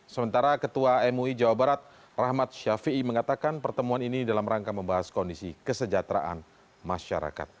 sementara ketua mui jawa barat rahmat ⁇ syafii ⁇ mengatakan pertemuan ini dalam rangka membahas kondisi kesejahteraan masyarakat